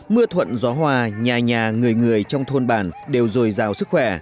mưa thuận gió hòa nhà nhà người người trong thôn bản đều dồi dào sức khỏe